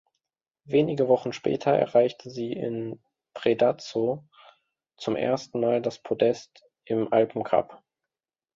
Wenige Wochen später erreichte sie in Predazzo zum ersten Mal das Podest im Alpencup.